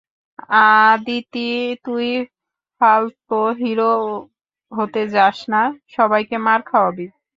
আদিতি, তুই ফালতো হিরো হতে যাস না সবাকে মার খাওয়াবি।